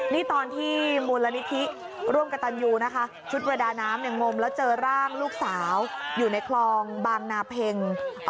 นี่ตอนที่มูลนิธิร่วมกับตันยูนะคะชุดประดาน้ำเนี่ยงมแล้วเจอร่างลูกสาวอยู่ในคลองบางนาเพ็ง